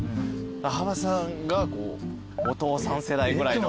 羽場さんがお父さん世代ぐらいの。